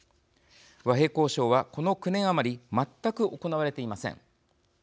和平交渉は、この９年余り全く行われていません。